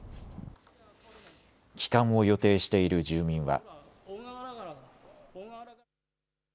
帰還を予定している住民は。